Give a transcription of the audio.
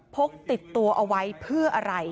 พกติดตัวเอาไว้เพื่ออะไร